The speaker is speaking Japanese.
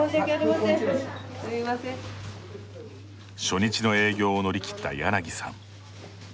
初日の営業を乗り切った柳さん。